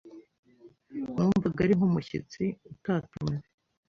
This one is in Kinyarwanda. Numvaga ari nk'umushyitsi utatumiwe.